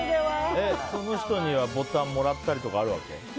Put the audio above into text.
その人にはボタンもらったりとかあるわけ？